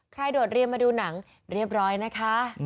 โดดเรียนมาดูหนังเรียบร้อยนะคะ